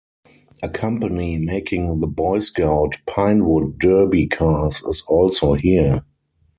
A company making the Boy Scout Pinewood Derby cars is also here.